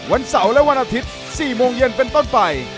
วันเสาร์และวันอาทิตย์๔โมงเย็นเป็นต้นไป